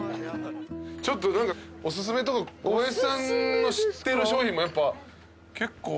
ちょっとおすすめとか小林さんの知ってる商品もやっぱ結構。